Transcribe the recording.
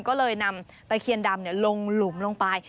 ก็เลยนำตะเคียนดำลงหลุมลงไป